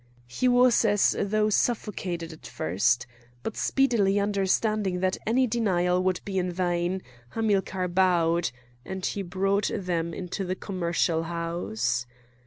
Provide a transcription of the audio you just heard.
He was as though suffocated at first. But speedily understanding that any denial would be in vain, Hamilcar bowed; and he brought them into the commercial house.